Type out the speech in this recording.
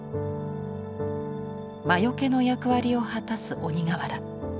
魔よけの役割を果たす鬼瓦。